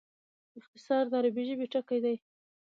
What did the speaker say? اختصار د عربي ژبي ټکی دﺉ.